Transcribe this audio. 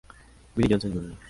Billy Johnson Jr.